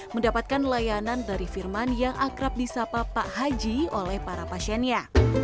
mendapatkan layanan dari firman yang akrab di sapa pak haji oleh para pasiennya